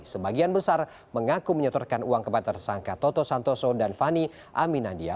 sebagian besar mengaku menyetorkan uang kepada tersangka toto santoso dan fani aminandia